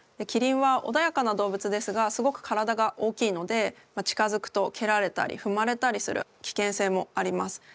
キリンはおだやかな動物ですがすごく体が大きいので近づくとけられたりふまれたりするきけんせいもあります。